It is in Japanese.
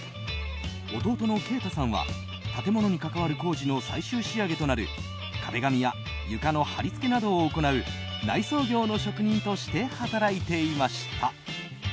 弟の慶太さんは建物に関わる工事の最終仕上げとなる壁紙や床の貼り付けなどを行う内装業の職人として働いていました。